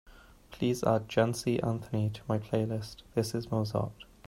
Please add Jency Anthony to my playlist This Is Mozart